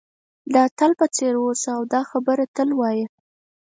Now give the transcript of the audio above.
د اتل په څېر اوسه او دا خبره تل وایه.